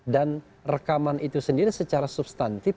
dan rekaman itu sendiri secara substantif